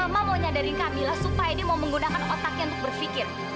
mama mau nyadarin kamila supaya dia mau menggunakan otaknya untuk berfikir